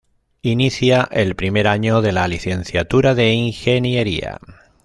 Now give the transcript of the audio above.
Inicia el primer año de la licenciatura de Ingeniería.